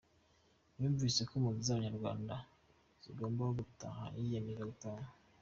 Yumvise ko impunzi z’Abanyarwanda zigomba gutaha, yiyemeza gutaha.